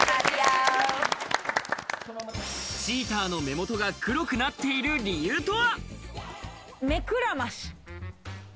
チーターの目元が黒くなっている理由とは？